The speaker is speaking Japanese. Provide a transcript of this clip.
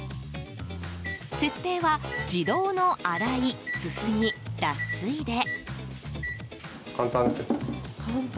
設定は自動の洗い・すすぎ・脱水で。